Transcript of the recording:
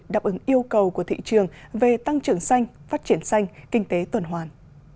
đáp ứng yêu cầu của thị trường về tăng trưởng xanh phát triển xanh kinh tế tuần hoàn